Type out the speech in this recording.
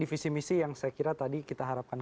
visi misi yang saya kira tadi kita harapkan